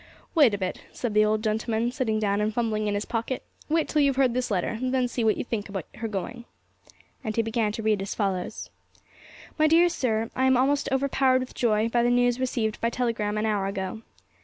'Wait a bit,' said the old gentleman, sitting down and fumbling in his pocket; 'wait until you've heard this letter, and then see what you think about her going.' And he began to read as follows: MY DEAR SIR, I am almost over powered with joy by the news received by telegram an hour ago.